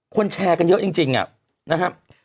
ควรแชร์กันเยอะจริงอ่ะนะครับ